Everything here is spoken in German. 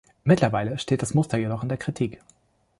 Mittlerweile steht das Muster jedoch in der Kritik.